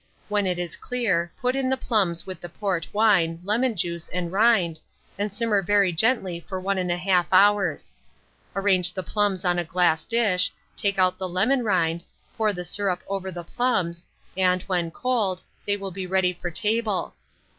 When it is clear, put in the plums with the port wine, lemon juice, and rind, and simmer very gently for 1 1/2 hour. Arrange the plums on a glass dish, take out the lemon rind, pour the syrup over the plums, and, when cold, they will be ready for table.